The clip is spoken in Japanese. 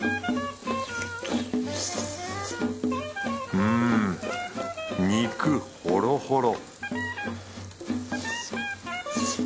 うん肉ホロホロ